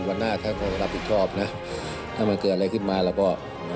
วันหน้าท่านคงรับผิดชอบนะถ้ามันเกิดอะไรขึ้นมาเราก็